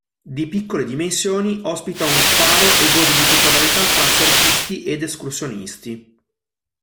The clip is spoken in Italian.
Di piccole dimensioni, ospita un faro e gode di popolarità fra surfisti ed escursionisti.